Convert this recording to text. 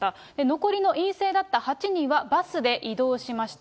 残りの陰性だった８人はバスで移動しました。